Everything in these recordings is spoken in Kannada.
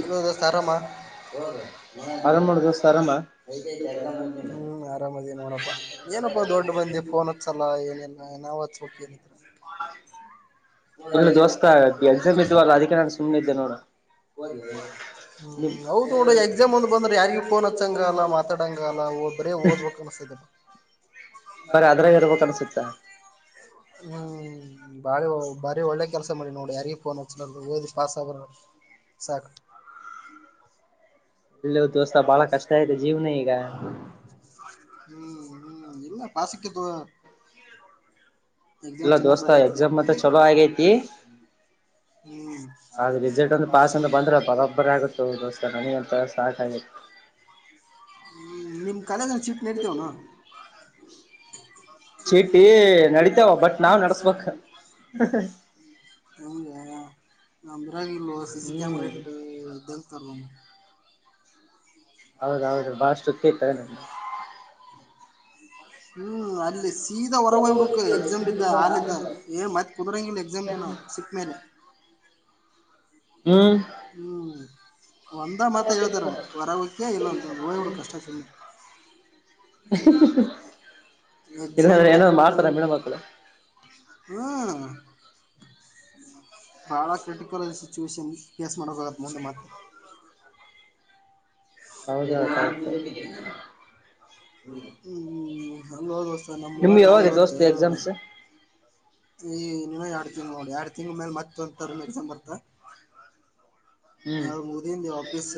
ಹಲೋ ದೋಸ್ತ್ ಆರಾಮ್. [inaudible] ಆರಾಮ್ ಮಾಡು ದೋಸ್ತ ಆರಾಮ ಹ್ಮ್ ಆರಾಮದಿನಿ ನೋಡ್ಪ್ಪಾ ದೊಡ್ಡ ಮಂದಿ ಫೋನ್ ಹಚ್ಚಲ್ಲ. ಲ್ಲಾ ಏನಿಲ್ಲ ನಾವ ಹಚ್ಚಬೇಕ್ ಏನ್ ಇದ್ರ. ಹೇಳ್ ದೋಸ್ತ್ ಹ್ಮ್. ನಿಮ್ ಹೌದು ನೋಡ್ ಎಕ್ಸಾಮ್ ಒಂದ ಬಂದ್ರೆ ಯಾರಿಗೆ ಫೋನ್ ಹಚ್ಚಂಗಲ್ಲ, ಮಾತಾಡಂಗಲ್ಲ, ಓದ ಬರೇ ಓದಬೇಕು. ಅನ್ಸ [inaudible] ಬರೇ ಅದ್ರಗೆ ಇರ್ಬೇಕ್ ಅನ್ಸತ್ತ ಅಣ್ಣ. ಹ್ಮ್ ಬಾರಿ ಹೋ ಬಾರಿ ಒಳ್ಳೆ ಕೆಲಸ ಮಾಡಿ ನೋಡಡ್ ಯಾರಿಗಿ ಫೋನ್ ಹಚ್ಲಾರ್ದ. ಓದಿ ಪಾಸ್ ಆಗ ಸಾಕ. ಇಲ್ಲೋ ದೋಸ್ತಾ ಬಹಳ ಕಷ್ಟ ಇದೆ ಜೀವನ ಈಗ. ಹ್ಮ್ ಹ್ಮ್ ಇಲ್ಲ ಪಾಸ್ಕಿ ಬ್ರೊ. ಇಲ್ಲ ಎಕ್ಸಾಮ್ ದೋಸ್ತ ಚೆನ್ನಾಗಿ ಎಕ್ಸಾಮ್ ಮತ್ತ ಚಲೋ ಆಗೈತಿ [unintelligible] ಹ್ಮ್. ಆದ್ರ ಹ್ಮ ರಿಸಲ್ಟ್ ಒಂದು ಪಾಸ್ ಅಂತ ಬಂದ್ರ ಬರೋಬ್ಬರಿ ಆಗುತ್ತ ದೋಸ್ತ ನನಗಂತ ಸಾಕಾಗೈತಿ ನಿಮ್ ಕಾಲೇಜನಂಗ್ ಚಿಟ್ಟಿ ನಡೀತವ್ ಅನ್. ಚೀಟಿ ನಡಿತವ ಬಟ್ ನಾವ್ ನಡಸ್ಬೇಕ. ನಮ್ಗ ನಮ್ ಉರಗ ಇಲ್ಲೋ ಸಿ ಸಿ ಕ್ಯಾಮರಾ ಹ್ಮ್ ಇಟ್ಟ [unintelligible] ಹೌದ ಹೌದು ಬಾಳ ಸ್ಟ್ರಿಟ್ ಇತ್ತೆನ್. ಹ್ಮ್ ಅಲ್ಲಿ ಸೀದಾ ಹೊರಗ ಹೋಗ್ಬಬೇಕ ಎಕ್ಸಾಮ್ ದಿಂದ್ ಹಾಲಿಂದ ಏನ ಮತ್ತ ಕುಂದ್ರಂಗಿಲ್ಲ ಎಕ್ಸಾಮ್ ನೀನು ಸಿಕ್ಕ ಮೇಲೆ. ಹ್ಮ್ ಹ್ಮ್. ಒಂದ ಮಾತ ಹೇಳ್ತಾರ ಹೊರಗಹೋಗ್ತಿಯ ಇಲ್ಲ ಅಂತ ಅಂದ್ ಹೋಯ್ಬಡುಕ್ ಅಷ್ಟ [unintelligible] ಇಲ್ಲ ಎಕ್ಸಾಮ್ ಅಂದ್ರ ಪೆನ್ ಏನಾರ್ ಮಾಡ್ತಾರ ಹಿಡ್ಕನ ಮೀಣ ಮಕ್ಕಳು. ಹ್ಮ್. ಬಾಳ ಕ್ರಿಟಿಕಲ್ ಸಿಚುವೇಷನ್ ಫೇಸ್ ಮಾಡಬೇಕಾಗತ್ತೆ ಮುಂದ ಮತ್ತ. [unintelligible] ಹೌದೌದು ಸರ್ ನಮ್ಮ ನಿಮ್ಗೆ ಊರಾಗ ಯಾವಾಗ ಇವತ್ತ. ದೋಸ್ತ ಎಕ್ಸಾಮ್ಸ್ ಈ ನೀವ ಎರಡು ತಿಂಗ್ ನೋಡ ಎಡ ತಿಂಗಳ ಮೇಲೆ ಮತ್ತ ಎಕ್ಸಾಮ್ ಬರ್ತಾ. ಹ್ಮ್ ಅದು ಮುಗದಿಂದ ವಾಪಿಸ್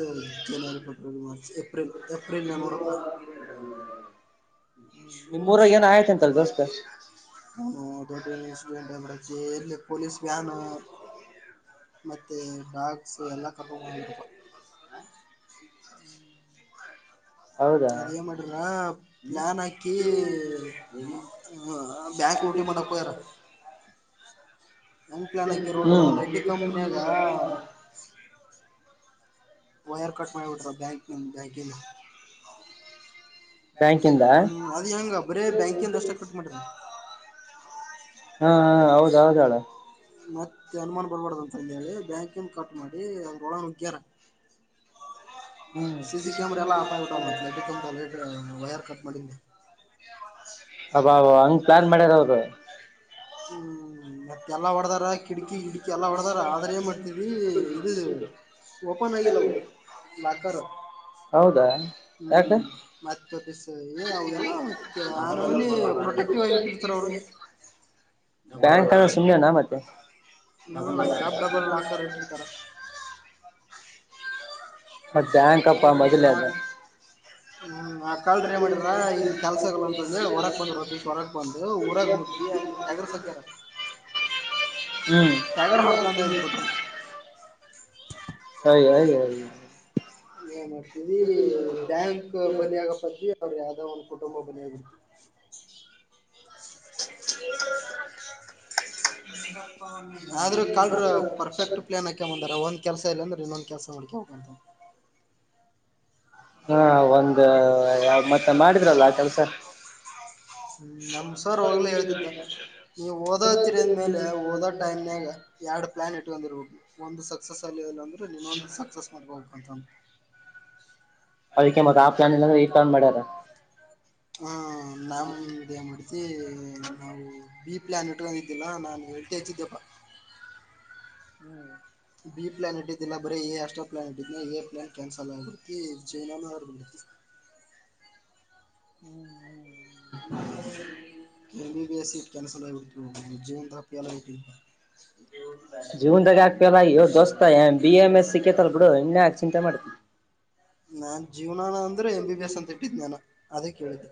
ಜನವರಿ, ಫೆಬ್ರವರಿ, ಮಾರ್ಚ್, ಏಪ್ರಿಲ್, ಏಪ್ರಿಲ್. ನಿಮ್ಮೂರಾಗ ಏನ ಆಯ್ತಂತಲ್ ದೋಸ್ತ [unintelligible] [inaudible] [unintelligible] ಯಲ್ಲಿ ಪೊಲೀಸ್ ವ್ಯಾನ್ ಮತ್ತೆ ಡ್ರಾಗ್ಸ್ ಎಲ್ಲ ಕಕೊಂಡ [unintelligible] ಹೌದಾ ಅದ ಏನ್ ಮಾಡ್ರ ಪ್ಲಾನ್ ಹಾಕಿ ಕ ಬ್ಯಾಕ ಉಟ ಮಾಡೋಕೆ ಹೋಗ್ಯಾರ ನ್ ಪ್ಲಾನ್ ಹಕಿರ್ಬೋಡದು ಹ್ಮ್ ಲೈಟಿ ಕಂಪ್ನಿಯಾಗ ವೈರ್ ಕಟ್ ಮಾಡಿಬಿಡ್ರ ಬ್ಯಾಂಕ್ ಬ್ಯಾಂಕಿನ ಬ್ಯಾಂಕಿಂದ ಹೂ ಅದ್ ಹೆಂಗ ಬರೇ ಬ್ಯಾಂಕ ಒ ಅಷ್ಟ ಕಟ್ಟ ಮಾಡಿದರ ಹಾ ಹ ಹೌದ ಹೇಳ್ ಮತ್ತೆ ಅನುಮಾನ ಬಿಡ್ಬಾರಡ್ದ ಅಂತರಿ ಹೇಳಿ ಬ್ಯಾಂಕ ಕಟ್ ಮಾಡಿ ಅವ್ರೊಳಗ ನಗ್ಗ್ಯಾರ ಹ್ಮ್ ಸೀಸಿ ಕ್ಯಮೆರಲ ಆಫ್ ಎಟ ಮತ್ಲಟ ಕಮಟಲೆಟ್ ವಯರ್ ಕಟ್ ಮಾಡಿಂದೇ ಅಬ್ಬ ಅ ಹಂಗ್ ಪ್ಲಾನ್ ಮಾಡ್ಯಾರ ಅವ್ರು ಹೂ ಮತ್ತೆ ಎಲ್ಲಾ ಹೊಡದಾರ ಕಿಡಕಿ ಕಿಡಕಿ ಎಲ್ಲಾ ಹೊಡದಾರ ಆದ್ರ ಏನ್ ಮಾಡ್ತವಿ ಇದು ಓಪನ್ ಆಗಿಲ್ಲವೂ ಲಾಕರ್ ಹೌದಾ ಹೂ ಯಾಕ ಮತ್ತೆ ಏನ್ ಅವಲ್ಲ ಮತ್ತ ಆರಾಮನ ಪ್ರೊಟೆಕ್ಟಿವ್ ಆಗಿ ಇಟ್ಟಿರ್ತಾರ ಅವ್ರು ಡಲ್ ಲಾ ಬ್ಯಾಂಕ್ ಅ ಸುಮ್ನೆನಾ ಮತ್ತೆ ಡಲ್ ಲಾ ಡಬಲ್ ಲಾಕರ್ತಾರ ಮತ್ತ ಬ್ಯಾಂಕ್ಪ್ಪ ಮೊದ್ಲ ಅದ ಹ ಹೂ ಆ ಕಲ್ ಏ ಮಾಡಿರ ಇಲ್ಲಿ ಕೆಲ್ಸಗಲ್ಲ ಅಂತಂದ ಹೇಳಿ ಹೊರಕ್ ಬಂದ ರಸ್ ಹೊರಕ್ ಬಂದ ಊರಾಗ ಮುಟ್ಟಿ ಅಲ್ಲಿ ಟ್ಯಾಗರ್ ಸಕ್ಕರ ಹ್ಮ್ ಟ್ಯಾಗರ್ ಹೊಡ್ಕೊಂಡೆ ಅ ಬಿಿಟ್ರಿ ಅಯ್ಯಾ ಅಯ್ಯೋ ಏನ್ ಮಾಡ್ತೀವಿ ಬ್ಯಾಂಕ್ ಬನ್ನಿ ಆಗಪ್ಪದ್ವಿ ಅವ್ರರು ಯಾವ್ದೋ ಒಂದು ಕುಟುಂಬ ಬನ್ನಿ ಆಗಬವಿ ಆದ್ರೆ ಕಲ್್ರ ಪರ್ಫೆಕ್ಟ್ ಪ್ಲಾನ್ ಆ ಂದ ಒಂದ ಕೆಲಸ ಇಲ್ಲಂದ್ರೆ ಇನ್ನೊಂದ ಕೆಲಸ ಮಾಡೋಕ ಹೋಗ ಹಾ ಒಂದ ಮತ್ತೆ ಮಾಡಿದ್ರಲ್ಲ ಆ ಕೆಲ್ಸ ಹೂ ನಮ್ಮ ಸರ್ ಹೋಗ್ಲೇ ಹೇಳ್ತಿದ್ದ ನೀ ಓದೋತ್ತೀರಿ ಅಂದ ಮೇಲೆ ಓದೋ ಟೈಮ್ನಯಾಗ ಎರಡ್ ಪ್ಲಾನ್ ಇಟ್ು ಅಂದ್ರ ಹೋಗ್ ಒಂದು ಸಕ್ಸಸ್ ಅಲ್ಲಿ ಅ ಅಂದ್ರೆ ಇನ್ನೊಂದ್ ಸಕ್ಸಸ್ ಮಾಡ್ಬೋದು ಅಂತ ಅಂದು ದಕ್ಕೆ ಮತ್ತ ಆ ಪ್ಲಾನ್ ಇಲ್ಲ್ರೆೀರ್ನ್ ಮಾಡ್ಯಾರ ಹೂ ನಮ್ಮ ಹೂ ಇದೇ ಮಾಡ್ತಿ ನಾವು ಬಿ ಪ್ಲಾನ್ ಇಟ್ಕೊಂಡ ಇದಿದ್ದಿಲ್ಲ ನಾನು ವಲ್ಟೇಜ್ ಇದ್ದಪ್ಪ ಹೂ ಬಿ ಪ್ಲಾನೆಟ್ ಇದದೆಲ್ಲ ಬರೀ ಎ ಅಸ್ಟ್ರ ಪ್ಲಾನೆಟ್ ಇದ ಎ ಪ್ಲಾನೆಟ್ ಕ್ಯಾನ್ಸಲ್ ಆಗಬಿತಿ ಜೈನಾನ ಆರ್ಬಿತಿ ಹೂ M B B S cancel ಆಗಿಬಿಡ್ತು ಜೀವ್ದಾಗ ಜೀವನ್ದಾಗ ಹಾಕ್ಪಲ್ಲ ಇವ್ ದೋಸ್ತ ಬಿ ಎಂ ಎಸ್ ಸಿಿಕೇತಲ್ ಬಿಡು ಇನ್ನೆಾ ಚಿಂತೆ ಮಾಡ್ತ ನಾನ್ ಜೀವನಾನ ಅಂದ್ರೆ ಎಂ ಬಿ ಎಸ್ ಅಂತ ಇಟ್ಟಿದ್ ನಾನು ಅದೇ ಕೇಳಿದ್ದೆ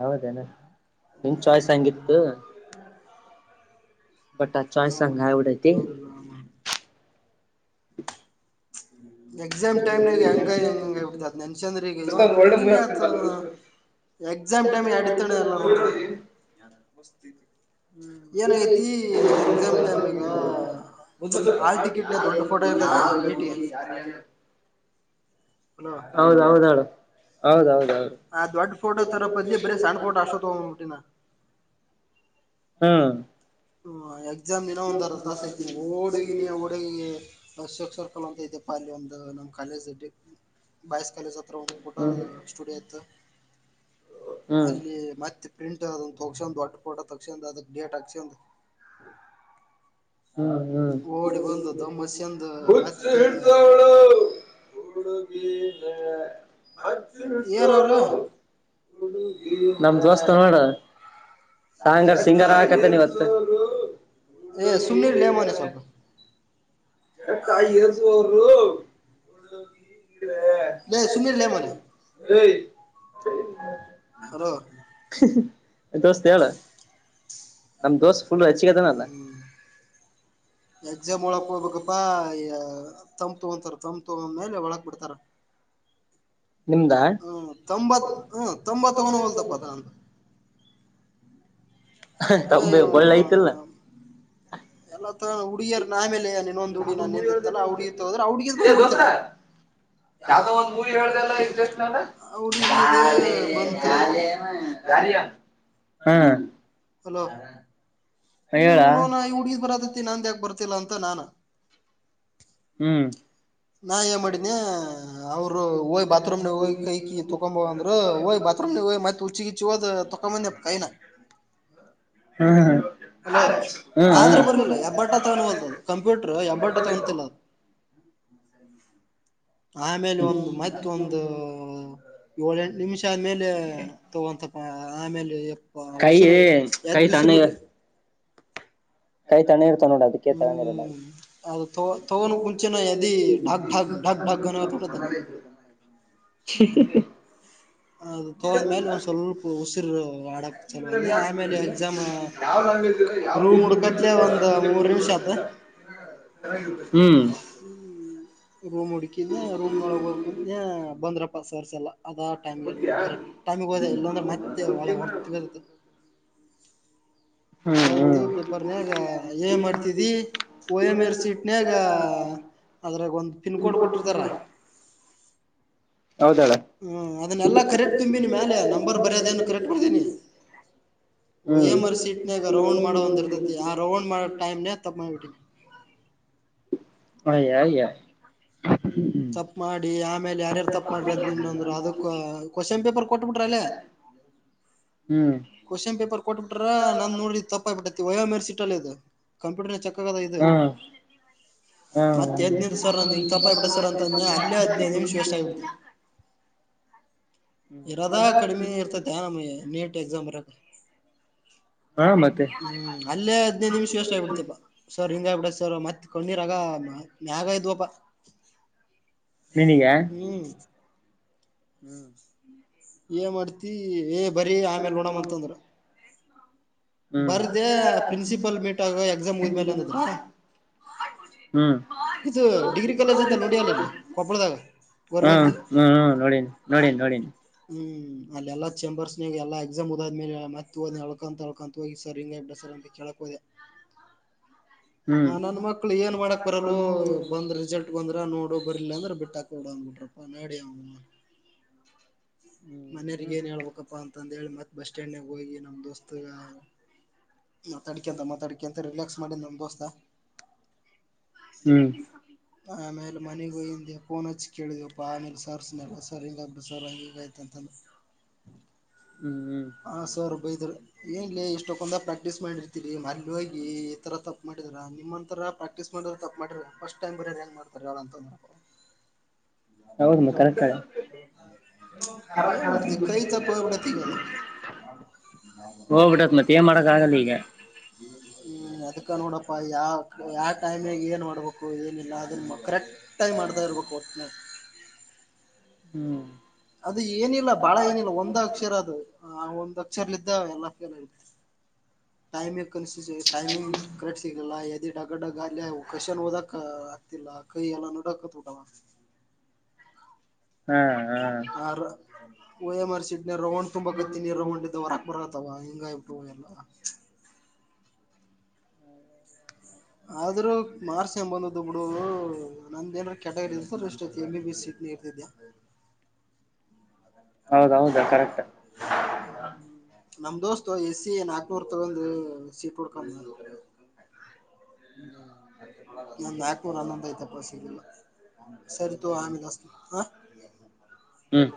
ಹೌದೇನ ನಿನ್ ಚಾಯ್ಸ್ ಹಂಗಿತ್ತು ಹ ಬಟ್ ಆ ಚಾನ್ಸ್ ಆಗ್ ಆಗಿಬಿಟ್ಟತಿ [inaudible] ಹೂ ಎಕ್ಸಾಮ್ ಟೈಮ್ಗೆ ಹೆಂಗ್ ಹೆಂಗಂಗ ಬಿಡ್ತತ್ ನೆನ್ಸನ್್ರಗ ಇವ ಒಳ್ಳೆ ಮೂವಿ ಹಿಂಗೆ ಆ ಆಗ್ತ ಎಕ್ಸಾಮ್ ಟೈಮ ಎತಣ ಎಲ್ಲ ಏನಐತಿ ಎಕ್ಸಾಮ್ ಟೈಮ್ಗ ಮ ಆಟ ದೊಡಫೋಟೋ ಇಟ ಅಲ ಹೌದೌದೌದು ಹೌದೌದೌದು ಆ ದೊಡ್ ಫೋಟೋ ತರ ಬದ್ಲಿ ಬರ ಸಣ್ಣ ಫೋಟೋ ಅಷ್ಟೋತ್ಟ್ಟಿನ ಹ್ಮ್ ಹ ಎಕ್ಸಾಮ್ ದಿನ ಒಂದರ ತಾಸ ಐತಿ ಹಡುಗಿನಿ ಹುಡುಗಿಗೆ ಅಷಕ್ ಸವರ್ಕಲ್ ಅಂತ ಇದೆ ಪಾಲಿ ಒಂದ್ದ ನಮ್ ಕಾಲೇಜಡ್ ಬಯಸ್ ಕಾಲೇಜ್ ಹತ್ರ ಒಂದು ಫೋಟೋ ಹ್ಮ್ ಸ್ಟುಡಿಯೋ ಇತ್ತು ಹ್ಮ್ ಅಲ್ಲಿ ಮತ್ತೆ ಪ್ರಿಂಟ್ ಅ ತೊಗಸಂದ್ ದೊಡ್ ಫೋಟೋ ತಸಂದ ಅದಕ್ ಡೇಟ್ ಹಾಸಂದ ಹ್ಮ್ ಹ್ಮ್ ಓಡಿ ಒಂದು ದಮ್ಮ ಚಂದು ಮತ್ತೆ ಹಡುಗೆ ಅಜನ್ ಸ ಏರ್ ಅವ್ರ ನಮ್ದೋಸ್ತ ನೋಡ ಸಾಂಗರ್ ಸಿಂಗಾರ ಆಕತೆ ಸುಮ್ನೆ ನೀವತ್ತ ಏ ಸುಮ್ನಿರ್ಲೆ ಮೋನೆ ಸ್ವಲ್ಪ ಎಟ ಇಸ ಅವರು ಲೇ ಸುಮ್ನಿರ್ಲೆ ಮೋನೆ ಅದ ಹಲೋ ಹ್ಮ ಹ ನಮ್ ದೋಸ್ ಫುಲ್ ರಚಿಕೆದನಲ್ಲ ಎಕ್ಸಾಮ್ ಒಳಕ್ ಹೋಗ್ಬೇಕಪ್ಪಾ ತಂ ತು ಅಂತಾರ ತಂ ತು ಮೇಲೆ ಒಳಕ್ ಬಿಡ್ತಾರ ನಿಮ್ದ ಹ್ಮ ತೊಂಬತ್ ಹ್ಮ್ ತೊಂಬತ್ನ ಹೊಲ್ತಪ್ಪದಂತ ತಂಬ ಒಳ್ಳೆ ಐ್ತಲ್ಲ ಎಲ್ಲಾ ತರ ಉಡಿಯರ್ ನ ಆಮೇಲೆ ನೀನ್ನೊಂದ ಹುಡಿ ನನ್ ಎಂದಿತ್ತಲ್ಲ ಹುಡ್ಗಿತ್ತ ಹೋದ್ರೆ ಹುಡ್ಗ ಏ ಬಂದ್ ದೋಸ್ತ ಬಿಡ್ತಳ ಯಾವ್ದೋ ಒಂದು್ವ ಹೇಳ್ದಲ್ಲ ಜಸ್ಟ್ ನಾನ ಹಳದ ಪಂತ್ ಯಾರಿಯ ಹಾ ಹಲೋ ಹ ಹೇಳ ನೋ ನ ಈ ಹುಡ್ಗೀದ ಬರದತ್ತತಿ ನಾ ಯಾಕ ಬರ್ ಲ್ಲ ಅಂತ ನಾನ ಹ್ಮ್ ನಾ ಏನ್ ಮಾಡಿನಿ ಅವರು ಹೋಯ್ ಬಾತ್ರೂಮ್ ನ ಹೋಗಿ ಕೈ ಕಿ ತೊಂಬೋ ಅಂದ್ರು ಹಯ್ ಬಾೂಮ್ ನ ಹ್ತ್ತತ್ ಹುಚ್ಚಿಗಿಚ್ಚಿ ಹೋದ ಕನಾ ಹ್ಮ ಹ್ಮ ಆದ್ರೂ ಹ್ಮ್ ಬರ್ಲಿಲ್ಲ ಹೆಬ್ಬಟ್ಟ ತಗನ್ವಲ್ದು ಅದು ಕಂಪ್ಯೂಟರ್ ಹೆಬ್ಬಟ್ಟ ಹ್ಮ್ ತಗೊಂತಿಲ್ಲ ಅದು ಆಮೇಲೆ ಒಂದು ಮತ್ತೊಂದು ಏಳ ಎಂಟು ನಿಮಿಷ ಆದ್ಮೇಲೆ ತಗೊಂತಪ್ಪ ಆಮೇಲೆ ಹ ಕೈ ಉಸರು ಯದ ಕೈ ತಣ್ಣ ದಿವಸರು ಬಿಟ್ಟೆ ಕೈ ತಣ್ಣ ಇರ್ತಾವ ನೋಡ ಅದಕ್ಕೆ ತಗೊಂಡಿರಲ್ಲ ಹ್ಮ್ ಅದು ತಗೊಂಡ ಕುಂಚೆನ [inaudible] ಅದು ತೊಗಂದ ಮೇಲೆ ಒಂದ್ ಕನ್ನಡ ಸ್ವಲ್ಪ ಉಸಿರು ಆಡಕ್ ಚಲೋಂದ ಆಮೇಲೆ ಆಕ್ಚುಲಿ ಎಕ್ಸಾಮ್ ಯಾಕೆ ಯಾವ ಲ್ಯಾಂಗ್ವೇಜ್ ಇರೋ ಯಾವ ರೂ ಹಡ್ಕತ್ಲೆ ಒಂದು ಮೂರು ನಿಿವಷ ಆತ ಚೆನ್ನಾಗಿರುತ್ತೆ ಹ್ಮ್ ಹ್ಮ ರೂಮ್ ಹುಡ್ಕಿ ರೂಮ್ ನೊಳಗಕು ಬಂದ್ರಪ್ಪ ಸರ್ಸೆಲ್ಲ ಅದ ಗೊತ್ತ್ಯಾ ಕರೆಕ್ ಟೈಮ ಹೋದೆ ಇಲ್ಲಾಂದ್ರೆ ಮತ್ತೆಳ ಗೊತ್ತಿಲ್ಲ ಹೊರ್ತದ ಹ್ಮ್ ಬಂತು ಪೇಪರ್ನ್ಯಾಗ ಏ ಮಾಡ್ತಿದಿ ಓ ಎಂ ಎರ್ ಸೀಟ್ನ್ಯಾಗ ಅದ್ರಾಗ ಒಂದ ಪಿನ್ ಕೋಡ್ ಕೊಟ್ಟಿರ್ತಾರ. ಹ್ಮ್ ಹೌದಡ. ಹ್ಮ ಅದನೇಲ್ಲ ಕರೆಕ್ಟ್ ತುಂಬಿನಿ ಮೇಲೆ ನಂಬರ್ ಬರ್ಯೋದೇ ಏನ ಕರೆಕ್ಟ್ ಬರ್ದಿನಿ. ವ ಹ್ಮ್ ಎಮರ್ ಸೀಟ್ನಾಗ ರೌಂಡ್ ಮಾಡೋ ಒಂದ ಇರ್ತೈತಿ ಆ ರೌಂಡ್ ಮಾಡೋ ಟೈಮ್ ನ ತಪ್ಪ ಮಾಡಿಬಟ್ಟಿನಿ. ಅಯ್ಯ ಅಯ್ಯ ಹ್ಮ. ತಪ್ಪ ಮಾಡಿ ಆಮೇಲ ಯಾರ್ಯಾರ ತಪ್ಪ ಮಾಡಿರದ್ ನಿನ್ನಂದ್ರರ ಅದಕ್ಕ ಕ್ವಶನ್ ಪೇಪರ್ ಕೊಟ್ಬಿಟ್ರ ಅಲ್ಲೇ. ಹ್ಮ. ಕ್ವಶ್ನ್ ಪೇಪರ್ ಕೊಟ್ಬ ಬಿಟ್ರ ನಂದ ನೋಡಿರ ತಪ್ಪ ಆಗ್ಬಿಟ್ಟೈತಿ ಓ ಎಂ ಆರ್ ಸಿಟ್ ಅಲ್ಲ ಇದ. ಕಂಪ್ಯೂಟರ್ನ ಚಕ್ಕ ಆಗದ ಇದ. ಮತ್ತ ಹ್ಮ್ ಎದ್ದನಿಲ್ಲ ಸರ್ಂದ ಹಿಂಗ ತಪ್ಪ ಆಗಬಿಟ್ಟತ ಸರ್ ಅಂತ ಅನ್ನಿ ಅಲ್ಲೂ ಹದ್ನೈದ ನಿಮಿಷ ವೆಸ್ಟ್ ಆಗಬಿಡ್ತ. ಹ್ಮ್ ಇರದ ಕಡಿಮೀ ಇರ್ತತ ನಮ್ಗ ನೀಟ್ ಎಕ್ಸಾ ಬರಕ ಹಾ ಮತ್ತೆ ಹ್ಮ ಅಲ್ಲೇ ಹದ್ನೈದ ನಿಮಿಷ ವೇಸ್ಟ್ ಆಗ್ಬಿಡ್ತಪ್ಪಾ. ಸರ್ ಹಿಂಗ ಆಗ್ಬಿಟ್ಟ ಸರ್ ಮತ್ತ ಕಣ್ಣಿರಾಗ ಮ್ಯಾಗ ಇದ್ದವಪ. ನಿನಗ ಹ್ಮ. ಹ್ಮ್ ಏ ಮಾಡ್ತಿ ಏ ಬರಿ ಆಮೇಲ ನೋಡಮ ಅಂತಂದ್ರ. ಹ್ಮ. ಬರ್ದೆ ಪ್ರಿನ್ಸಿಪಲ್ ಮೀಟ್ ಆಗ ಎಕ್ಸಾಮ್ ಮುಗಿದ್ಮೇಲೆ ಅಂದದ್ರ ಹ್ಮ ಇದು ಡಿಗ್ರಿ ಕಾಲೇಜ್ ಐತಲ್ಲ ನೋಡಿ ಅಲ್ಲ ಇಲ್ಲಿ ಕೊಪ್ಪಳದಾಗ ಹ್ಮ ಗೋರ್ಮೆಂಟ್ ಹ್ಮ ಹ್ಮ ನೋಡಿನ ನೋಡನ ನೋಡಿನ. ಹ್ಮ ಅಲ್ಲ ಎಲ್ಲಾ ಚೇಂಬರ್ಸ್ನಾಗ ಎಲ್ಲಾ ಎಕ್ಸಾಮ್ ಉದಾದ್ಮೇಲೆ ಮತ್ತ ಹೋದೆ ಅಳ್ಕಂತ ಅಳ್ಕಂತ ಹೋಗಿ ಸರ್ ಹಿಂಗ ಇಡ ಸರ್ ಅಂತ ಕೇಳಕ ಹೋದೆ. ಹ್ಮ್ ಆ ನನ್ ಮಕ್ಳ ಏನ್ ಮಾಡಕ ಬರಲ್ಲೊ ಬಂದ ರಿಸಲ್ಟ್. ಬಂದ್ರ ನೋಡು ಬರ್ಲಿಲ್ಲ ಅಂದ್ರ ಬಿಟ್ಟ ಹಾಕ ಬಿಡು ಅಂದ್ರ ನಡಿ ಅವನ ಹ್ಮ್ ಮನೆಯರಿಗೇನ ಹೇಳ್ಬೇಕಪ್ಪಾ ಅಂತಂದೇಳಿ ಮತ್ತೆ ಬಸ್ ಸ್ಟ್ಯಾಂಡನಾಗ ಹೋಗಿ ನಮ್ ದೋಸ್ತಗ ಮಾತಾಡಿಕ ಅಂತ ಮಾತಾಡಿಕ ಅಂತ ರಿಲ್ಯಕ್ಸ್ ಮಾಡಿದ ನಮ್ ದೋಸ್ತ. ಹ್ಮ್ [inaudible] ಆಮೇಲ ಮನೀಗ ಹೋಗಿಂದ ಫೋನ್ ಹಚ್ಚಿ ಕೇಳಿದವಪ್ಪಾ ನಿಮ್ ಸರ್ಸ್ನೆಲ್ಲ ಸರ್ ಹಿಂಗಪ್ಪ ಸರ್ ಹಿಂಗ ಅಯ್ತಂತ ಅಂದ ಹ್ಮ ಹ್ಮ. ಆ ಸರ್ ಬೈದ್ರ. ಏನ್ಲಿ ಇಷ್ಟೊಕ್ಕಂದ ಪ್ರಾಕ್ಟೀಸ್ ಮಾಡಿರ್ತರಿ ಅಲ್ಲಿ ಹೋಗಿ ಈ ತರ ತಪ್ಪ ಮಾಡಿದ್ರ ನಿಮ್ಮಂತರ ಪ್ರಾ ಪ್ರಕ್ಟೀ ಮಾಡಿದ ತಪ್ಪ ಮಾಡ್ರ ಫಸ್ಟ್ ಟೈಮ್ ಬರ್ರ ಹೆಂಗ ಮಾಡ್ತಾರ ಹೇಳ ಅಂತಂದ್ರ. ಹೌದಮ್ಮ ಕರೆಕ್ಟ್. ಏನ್ [unintelligible] ಹ ಹೋಗ್ಬಿಟ್ಟತ್ ಮತ್ತ ಏನ್ ಮಾಡಕ್ ಆಗಲ್ಲ ಈಗ ಅದಕ್ಕ ನೋಡಪ್ಪ ಯಾವ ಯಾ ಟೈಮಿಗ ಏನ ಮಾಡ್ಬೇಕ ಏನಿಲ್ಲ ಅದನ್ನ ಕರೆಕ್ಟ್ ಟ ಮಾಡತಾ ಇರ್ಬೇಕು. ಹ್ಮ. ಅದು ಏನಿಲ್ಲ ಬಾಳ ಏನಿಲ್ಲ ಒಂದ ಅಕ್ಷರ ಅದು. ಹ ಒಂದ ಅಕ್ಷರಲಿಂದ ಅವ್ನ್ ಅಕ್ಕನ ಟೈಮ ಕನ್ಸ ಟೈಮಿಂಗ್ ಕಟ್ ಸಿಗ್ಲಿಲ್ಲಾ ಎದಿ ಡಗ ಡಗ ಅಲ್ಲೆ ಕಷನ್ ಓದಕ್ ಆಗ್ತಿಲ್ಲ ಕೈ ಎಲ್ಲಾ ನಡಗಾಕತ್ತಾ ಬಿಟ್ಟವು. ಹ್ಮ ಹಾ ಹ ರ ಓ ಎಂ ಆರ್ ಸಿಟ್ ನ ರೌಂಡ್ ತುಂಬಾ ಕತ್ತೀನಿ ರೌಂಡ್ ಇದ್ದವರ ಬರತ್ತವ ಹಿಂಗ [unintelligible] ಆದ್ರೂ ಮಾರ್ಸ್ ಎಂಬುದು ಬಿಡು ನಂದ ಎನರ ಕ್ಯಾಟಗರಿ ಇ ಸರ್ ಎಷ್ಟ ಎ ಬಿ ಸೀ [inaudible] [inaudible] ಹೌದೌದಾ ಕರೆಕ್ಟ್. [inaudible] ನಮ್ ದೋಸ್ತೋ ಎಸ್ಸಿ ನಾಕ್ನೂರ್ ತಗಂದು ಸೀಟ್ ಹುಡ್ಕೊಂಡ ಹಾ ನ್ ನಾಕ್ನೂರು ಹನೊಂದ್ ಐತಪ್ಪ ಸಿಗಿಲ್ಲ ಸರಿತೋ ಆಮೇಲೆ ಹಸ್ತನ್ ಆ ಹ್ಮ್